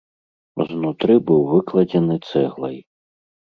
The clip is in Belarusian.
Знутры быў выкладзены цэглай.